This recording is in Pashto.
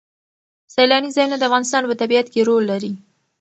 سیلاني ځایونه د افغانستان په طبیعت کې رول لري.